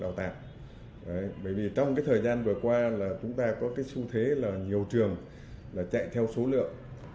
bởi vì trong thời gian vừa qua chúng ta có xu thế là nhiều trường chạy theo số lượng